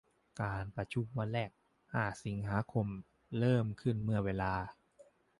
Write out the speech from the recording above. การประชุมวันแรก ห้า สิงหาคม เริ่มขึ้นเมื่อเวลา